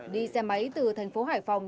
đi xe máy từ thành phố hải phòng